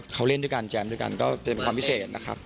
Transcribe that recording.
เขาเล่นด้วยกันแจมด้วยกันก็เตือนความพิเศษนะครับ